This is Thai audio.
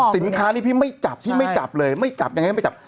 สินค้านี้พี่ไม่จับพี่ไม่จับเลยไม่จับยังไงไม่จับ